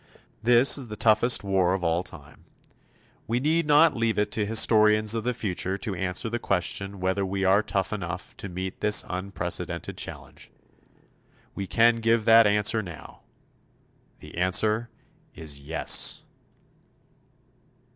This is the toughest war of all time. We need not leave it to historians of the future to answer the question whether we are tough enough to meet this unprecedented challenge. We can give that answer now. The answer is "Yes."